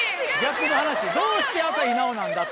どうして朝日奈央なんだと。